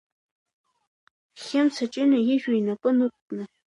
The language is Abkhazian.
Хымца Ҷына ижәҩа инапы нықәкны.